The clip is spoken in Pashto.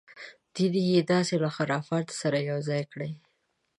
دین یې داسې له خرافاتو سره یو ځای کړی.